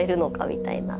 みたいな。